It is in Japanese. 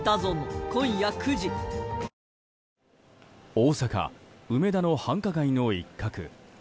大阪・梅田の繁華街の一角。